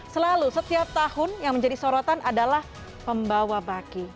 selalu setiap tahun yang menjadi sorotan adalah pembawa baki